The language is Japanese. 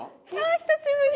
久しぶり。